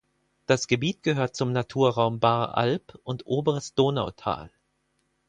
Das Gebiet gehört zum Naturraum Baaralb und Oberes Donautal.